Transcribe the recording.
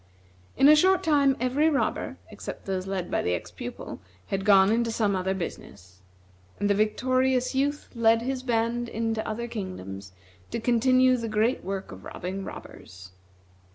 In a short time every robber, except those led by the ex pupil, had gone into some other business; and the victorious youth led his band into other kingdoms to continue the great work of robbing robbers.